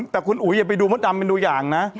แต่คุณอุ๋ยอย่าไปดูมดดำเป็นตัวอย่างนะ